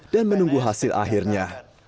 dan menunggu hasil akhirnya